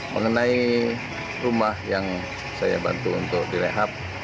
mengenai rumah yang saya bantu untuk direhab